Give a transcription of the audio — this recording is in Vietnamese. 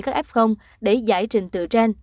các f để giải trình tự gen